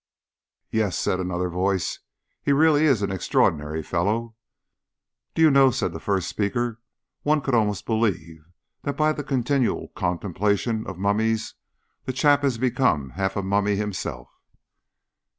"Yes," said another voice, "he really is an extraordinary fellow." "Do you know," said the first speaker, "one could almost believe that by the continual contemplation of mummies the chap has become half a mummy himself?"